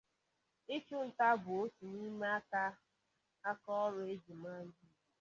Ịchụ nta bụ otu n'ime aka ọrụ e ji mara ndi Igbo.